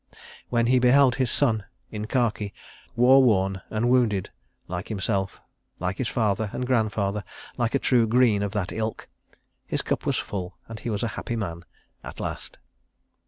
When he beheld his son, in khaki, war worn and wounded (like himself, like his father and grandfather, like a true Greene of that ilk), his cup was full and he was a happy man—at last.